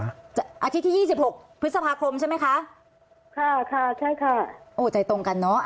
อาทิตย์ที่ยี่สิบหกพฤษภาคมใช่ไหมคะค่ะค่ะใช่ค่ะโอ้ใจตรงกันเนอะ